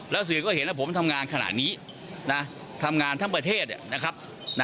สื่อก็เห็นว่าผมทำงานขนาดนี้ทำงานทั้งประเทศนะครับ